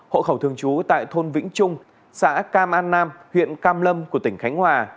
hộ khẩu thường trú tại thôn vĩnh trung xã cam an nam huyện cam lâm của tỉnh khánh hòa